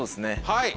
はい。